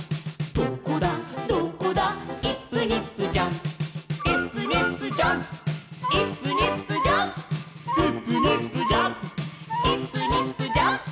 「どこだどこだイップニップジャンプ」「イップニップジャンプイップニップジャンプ」「イップニップジャンプイップニップジャンプ」